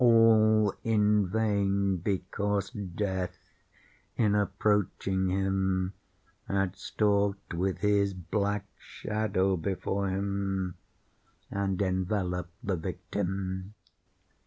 All in vain; because Death, in approaching him had stalked with his black shadow before him, and enveloped the victim.